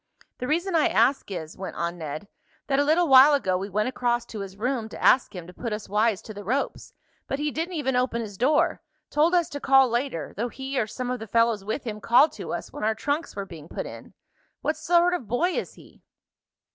"The reason I ask is," went on Ned, "that a little while ago we went across to his room to ask him to put us wise to the ropes, but he didn't even open his door. Told us to call later, though he, or some of the fellows with him called to us when our trunks were being put in. What sort of boy is he?"